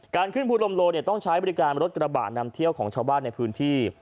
ขึ้นภูลมโลต้องใช้บริการรถกระบะนำเที่ยวของชาวบ้านในพื้นที่